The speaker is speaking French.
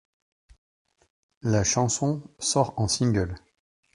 La chanson sort en single.